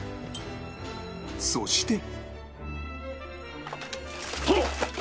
そして殿！